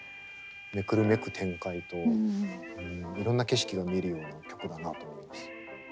めくるめく展開といろんな景色が見えるような曲だなと思います。